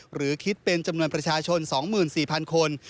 หรือคิดเป็นจำนวนประชาชน๒๔๐๐คน